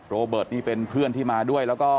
โรเบิร์ตนี่เป็นเพื่อนที่มาด้วยแล้วก็